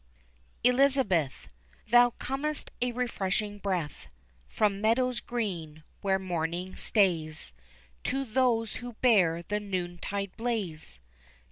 ELIZABETH, Thou comest a refreshing breath From meadows green, where morning stays, To those who bear the noon tide blaze.